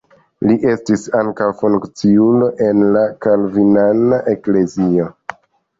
Li estis ankaŭ funkciulo en la kalvinana eklezio.